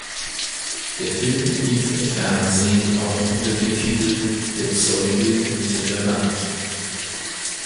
Der Film lief im Fernsehen auch unter dem Titel "Der Zeuge hinter der Wand".